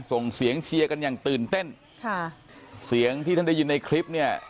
ส่งเสียงเชียร์กันอย่างตื่นเต้นค่ะเสียงที่ท่านได้ยินในคลิปเนี่ย